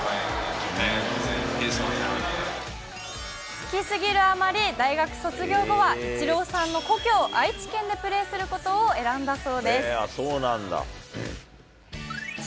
好きすぎるあまり、大学卒業後は、イチローさんの故郷、愛知県でプレーすることを選んだそうです。